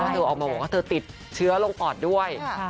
เธอออกมาบอกว่าเธอติดเชื้อลงปอดด้วย